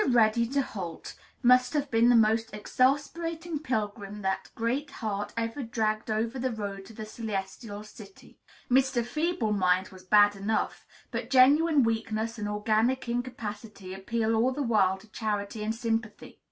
Ready to Halt must have been the most exasperating pilgrim that Great Heart ever dragged over the road to the Celestial City. Mr. Feeble Mind was bad enough; but genuine weakness and organic incapacity appeal all the while to charity and sympathy.